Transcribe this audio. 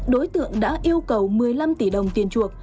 đối tượng đã yêu cầu một mươi năm tỷ đồng tiền chuộc